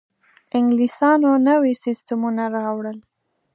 انګلیسانو نوي سیستمونه راوړل.